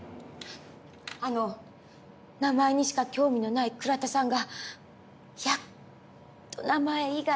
あの名前にしか興味のない倉田さんがやっと名前以外のことを。